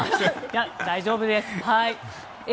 大丈夫です。